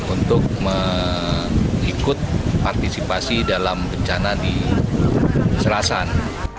untuk mengikut partisipasi dalam bencana di serasan